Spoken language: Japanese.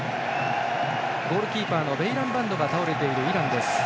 ゴールキーパーのベイランバンドが倒れているイランです。